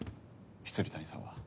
未谷さんは。